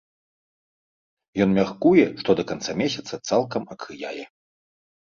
Ён мяркуе, што да канца месяца цалкам акрыяе.